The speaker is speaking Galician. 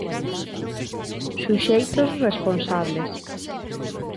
Suxeitos responsables.